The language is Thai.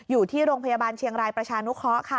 อยู่ที่โรงพยาบาลเชียงรายประชานุเคราะห์ค่ะ